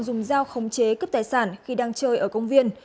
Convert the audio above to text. dùng dao khống chế cướp tài sản khi đang chơi ở công viên